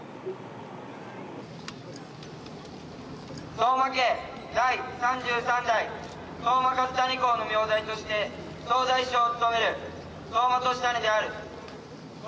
相馬家第３３代相馬和胤公の名代として総大将を務める相馬言胤である。